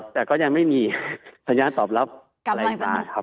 แต่ก็ยังไม่มีสัญญะตอบรับมาครับ